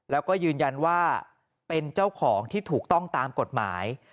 แล้วก็ยืนยันว่าเป็นเจ้าของที่ถูกต้องตามกฎหมาย